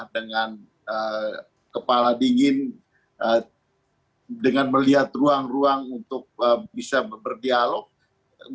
dengan kepala dingin dengan melihat ruang ruang untuk bisa berdialog